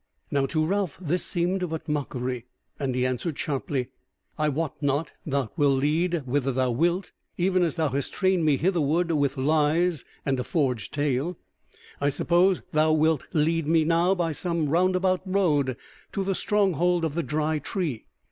Now to Ralph this seemed but mockery, and he answered sharply: "I wot not, thou wilt lead whither thou wilt, even as thou hast trained me hitherward with lies and a forged tale. I suppose thou wilt lead me now by some roundabout road to the stronghold of the Dry Tree.